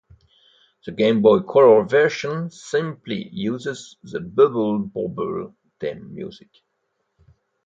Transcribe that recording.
The Game Boy Color version simply uses the Bubble Bobble theme music.